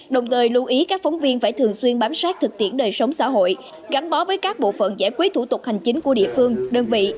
đồng thời lưu ý các phóng viên phải thường xuyên bám sát thực tiễn đời sống xã hội gắn bó với các bộ phận giải quyết thủ tục hành chính của địa phương đơn vị